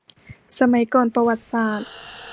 สมัยก่อนประวัติศาสตร์